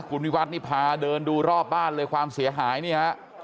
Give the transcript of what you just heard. คุณวิวัฒน์นี่พาเดินดูรอบบ้านเลยความเสียหายนี่ฮะ